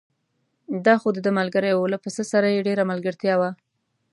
دا خو دده ملګری و، له پسه سره یې ډېره ملګرتیا وه.